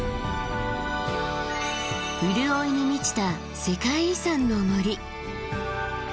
潤いに満ちた世界遺産の森。